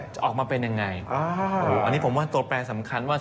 จะออกมาเป็นยังไงอันนี้ผมว่าตัวแปรสำคัญว่า